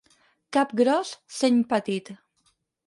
Cap gros, seny petit.